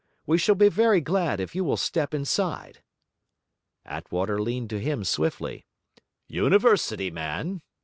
We shall be very glad if you will step inside.' Attwater leaned to him swiftly. 'University man?'